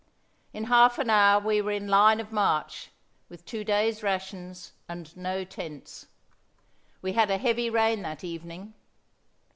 In half an hour we were in line of march, with two days' rations and no tents. We had a heavy rain that evening.